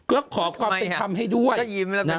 ก็ขอความเป็นธรรมให้ด้วย